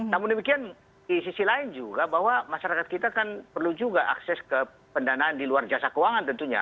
namun demikian di sisi lain juga bahwa masyarakat kita kan perlu juga akses ke pendanaan di luar jasa keuangan tentunya